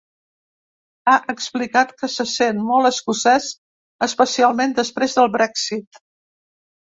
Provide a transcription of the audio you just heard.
Ha explicat que se sent ‘molt escocès, especialment després del Brexit’.